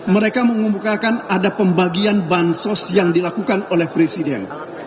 mereka mengumumkakan ada pembagian bansos yang dilakukan oleh presiden